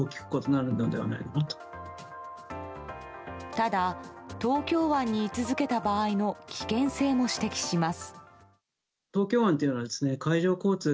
ただ、東京湾に居続けた場合の危険性も指摘します。